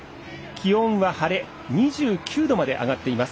気温は晴れ２９度まで上がっています。